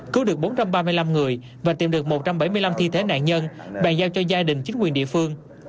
cứu được bốn trăm ba mươi năm người và tìm được một trăm bảy mươi năm thi thể nạn nhân bàn giao cho gia đình chính quyền địa phương